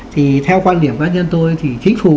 thì theo quan điểm cá nhân tôi thì chính phủ